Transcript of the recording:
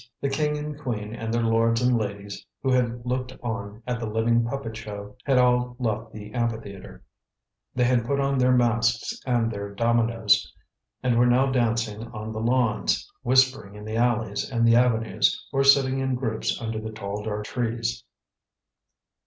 The King and Queen and their lords and ladies who had looked on at the living puppet show had all left the amphitheatre; they had put on their masks and their dominoes, and were now dancing on the lawns, whispering in the alleys and the avenues, or sitting in groups under the tall dark trees.